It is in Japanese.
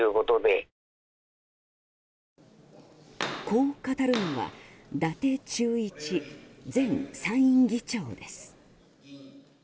こう語るのは伊達忠一前参院議長です。